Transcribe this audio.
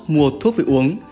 mua thuốc về uống